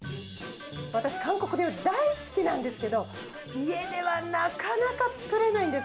私、韓国料理大好きなんですけど、家ではなかなか作れないんです。